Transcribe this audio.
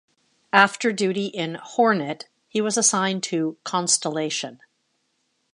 After duty in "Hornet", he was assigned to "Constellation".